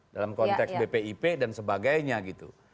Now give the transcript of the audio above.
dalam konteks bpip dan sebagainya gitu